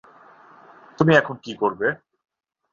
তুমি এখন কী করবে?